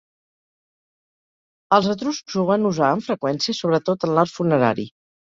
Els etruscs ho van usar amb freqüència sobretot en l'art funerari.